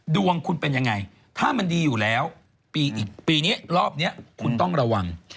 ดวงคุณเป็นยังไงถ้ามันดีอยู่แล้วปีนี้รอบนี้คุณต้องระวัง